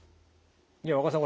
いや若尾さん